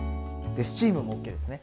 でスチームもＯＫですね。